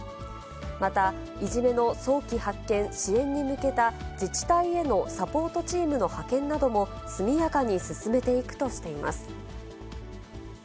また、いじめの早期発見・支援に向けた、自治体へのサポートチームの派遣なども速やかに進めていくとしています。